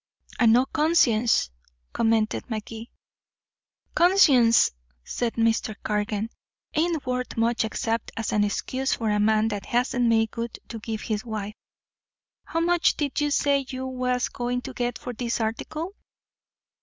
"And no conscience," commented Magee. "Conscience," said Mr. Cargan, "ain't worth much except as an excuse for a man that hasn't made good to give his wife. How much did you say you was going to get for this article?"